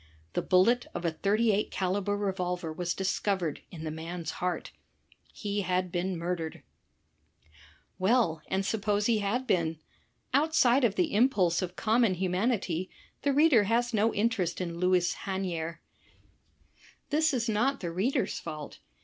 The bullet of a .38 caliber revolver was discovered in the man's heart. He had been murdered. Well, and suppose he had been. Outside of the impulse of common humanity, the reader has no interest in Louis Hanier. This is not the reader's fault.